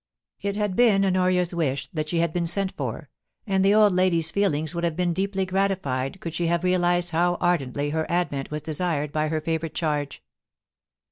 It had been by Honoria's wish that she had been sent for, and the old lady's feelings would hare been deeply gratified could she have realised how ardently her advent was desired by her favourite charge.